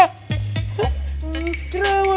eh kau gak cerewan